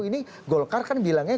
ini golkar kan bilangnya